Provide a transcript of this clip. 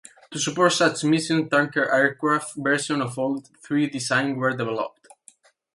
To support such missions, tanker aircraft versions of all three designs were developed.